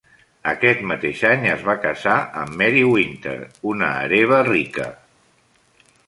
Aquest mateix any es va casar amb Mary Wynter, una hereva rica.